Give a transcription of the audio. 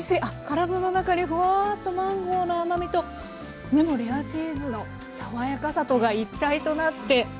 体の中にほわとマンゴーの甘みとでもレアチーズの爽やかさとが一体となって。